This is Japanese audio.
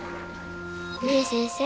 ねえ先生。